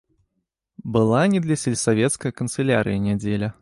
Была не для сельсавецкае канцылярыі нядзеля.